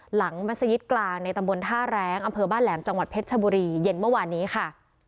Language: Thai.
มัศยิตกลางในตำบลท่าแรงอำเภอบ้านแหลมจังหวัดเพชรชบุรีเย็นเมื่อวานนี้ค่ะ